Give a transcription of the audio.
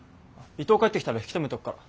伊藤帰ってきたら引き止めとくから。